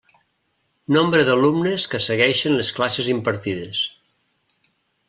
Nombre d'alumnes que seguixen les classes impartides.